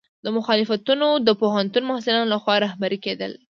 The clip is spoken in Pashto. دا مخالفتونه د پوهنتون محصلینو لخوا رهبري کېدل.